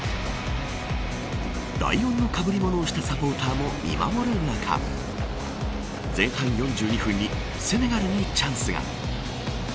ライオンのかぶり物をしたサポーターも見守る中前半４２分にセネガルにチャンスが。